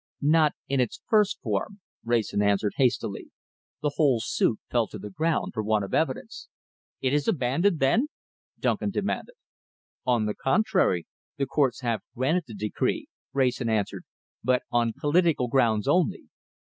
"Not in its first form," Wrayson answered hastily. "The whole suit fell to the ground for want of evidence." "It is abandoned, then?" Duncan demanded. "On the contrary, the courts have granted the decree," Wrayson answered, "but on political grounds only.